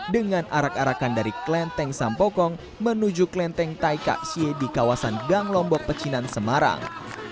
dengan arak arakan dari klenteng sampokong menuju kelenteng taikasie di kawasan gang lombok pecinan semarang